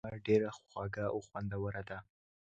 دغه مېوه ډېره خوږه او خوندوره ده.